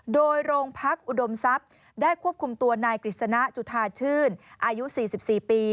โดยโรงพักอุดมทรัพย์ได้ควบคุมตัวนายกฤษณะจุธาชื่นอายุ๔๔ปี